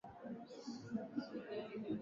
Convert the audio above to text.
ya Kasp Dnepr unaoishia katika Bahari Nyeusi